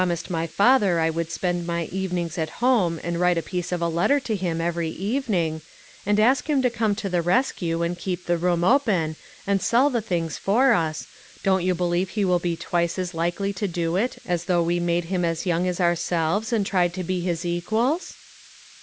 ised my father I would spend my evenings at home, and write a piece of a letter to him every evening ; and ask him to come to the rescue and keep the room open, and sell the things for us, don't you believe he will be twice as likely to do it as though we made him as young as ourselves, and tried to be his equals